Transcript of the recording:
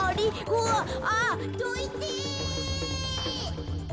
うわっあっどいて！